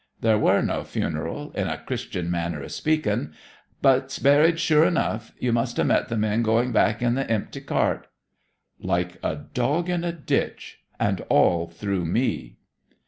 'There wer no funeral, in a Christen manner of speaking. But's buried, sure enough. You must have met the men going back in the empty cart.' 'Like a dog in a ditch, and all through me!'